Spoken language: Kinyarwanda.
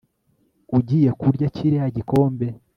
Ugiye kurya kiriya gikombe